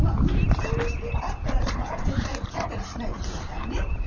密封してあったら絶対切ったりしないでくださいね。